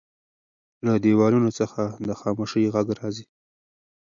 له دیوالونو څخه د خاموشۍ غږ راځي.